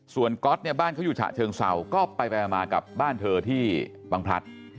ส่วนก๊อตเนี่ยบ้านเขาอยู่ฉะเชิงเศร้าก็ไปมากับบ้านเธอที่บังพลัด